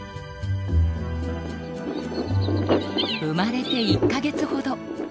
生まれて１か月ほど。